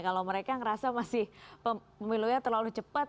kalau mereka ngerasa masih pemilunya terlalu cepat